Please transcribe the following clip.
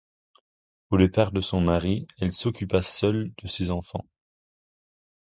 Au départ de son mari, elle s'occupa seule de ses enfants.